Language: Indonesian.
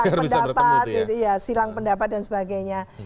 iya silang pendapat silang pendapat dan sebagainya